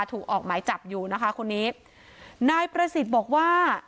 ออกหมายจับอยู่นะคะคนนี้นายประสิทธิ์บอกว่า